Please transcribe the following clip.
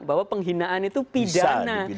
bahwa penghinaan itu pidana